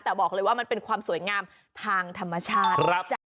แต่บอกเลยว่ามันเป็นความสวยงามทางธรรมชาติ